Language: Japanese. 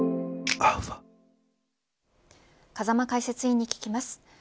風間解説委員に聞きます。